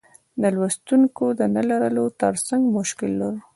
د لوستونکیو د نه لرلو ترڅنګ مشکل لرو.